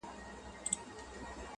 چي ياد پاته وي، ياد د نازولي زمانې